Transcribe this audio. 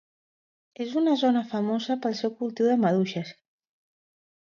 És una zona famosa pel seu cultiu de maduixes.